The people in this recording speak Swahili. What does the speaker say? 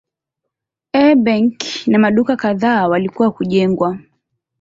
A benki na maduka kadhaa walikuwa kujengwa.